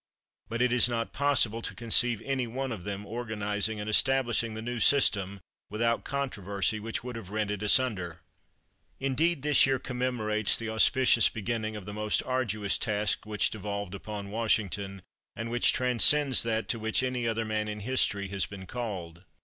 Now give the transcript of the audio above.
But it is not possible to conceive any one of them organizing and establishing the new system without controversy which would have rent it asunder. Indeed this year commemorates the auspicious beginning of the most arduous task which devolved upon Washington, and which transcends that to which any other man in history has been called.